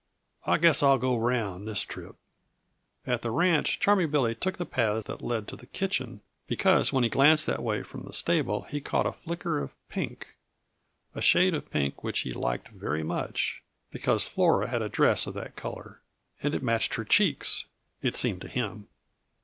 I guess I'll go round, this trip." At the ranch Charming Billy took the path that led to the kitchen, because when he glanced that way from the stable he caught a flicker of pink a shade of pink which he liked very much, because Flora had a dress of that color and it matched her cheeks, it seemed to him.